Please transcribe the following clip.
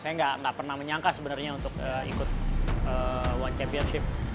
saya nggak pernah menyangka sebenarnya untuk ikut one championship